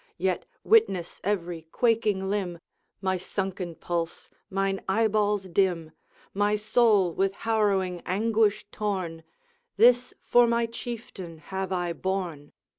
Yet, witness every quaking limb, My sunken pulse, mine eyeballs dim, My soul with harrowing anguish torn, This for my Chieftain have I borne!